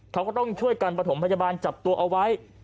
เขาก็ต้องช่วยกันประถมพยาบาลจับตัวเอาไว้